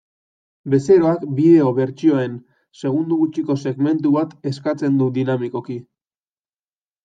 Bezeroak bideo bertsioen segundo gutxiko segmentu bat eskatzen du dinamikoki.